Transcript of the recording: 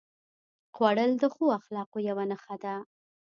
خوړل د ښو اخلاقو یوه نښه ده